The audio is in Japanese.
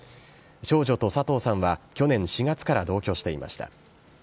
少女と佐藤さんは去年４月から同居していました。